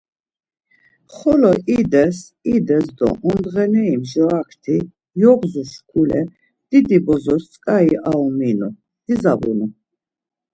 Xolo ides, ides do ondğeneri mjorakti eogzu şkule didi bozos tzǩari aominu, dizabunu.